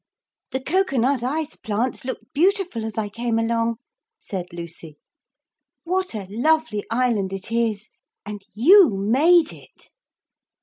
'The cocoa nut ice plants looked beautiful as I came along,' said Lucy. 'What a lovely island it is. And you made it!'